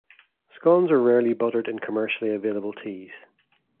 Scones are rarely buttered in commercially available teas.